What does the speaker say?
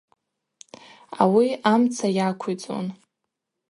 Ауи амца йаквицӏун.